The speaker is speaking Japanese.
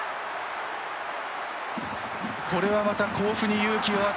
これはまた甲府に勇気を与える。